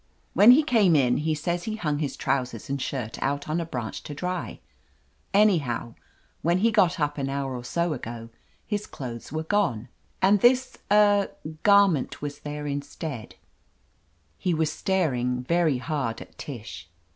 When he came in, he says he hung his trousers *x\d shirt out on a branch to dry. Anyhow, when he got up an hour or so ago, his clothes were gone, and this— er — ^garment was there 287 1 THE AMAZING ADVENTURES instead/' He was staring very hard at Tish.